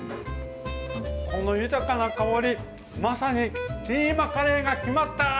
この豊かな香りまさにキーマカレーが決まった！